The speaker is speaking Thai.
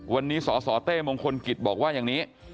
วันนี้สสเต้มงคลกิจบอกว่าอย่างนี้